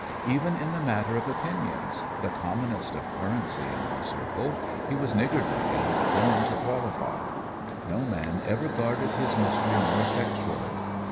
Even in the matter of opinions the commonest of currency in our circle he was niggardly and prone to qualify. No man ever guarded his mystery more effectually.